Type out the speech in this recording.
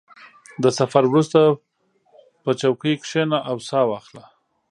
• د سفر وروسته، په چوکۍ کښېنه او سا واخله.